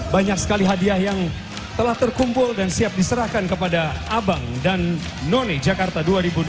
banyak sekali hadiah yang telah terkumpul dan siap diserahkan kepada abang dan noni jakarta